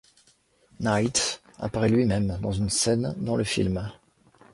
Knight apparaît lui-même dans une scène dans le film.